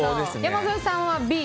山添さんはＢ。